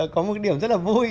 có một cái điểm rất là vui